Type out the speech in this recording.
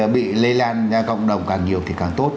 bị lây lan ra cộng đồng càng nhiều thì càng tốt